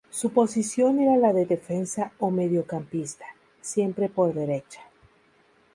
Su posición era la de defensa o mediocampista, siempre por derecha.